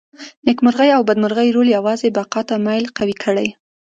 نېکمرغي او بدمرغي رول یوازې بقا ته میل قوي کړي.